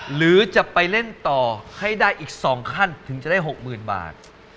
หรือจะไปเล่นต่อให้ได้อีก๒ขั้นถึงจะได้๖๐๐๐บาท